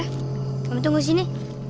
kamu tunggu sini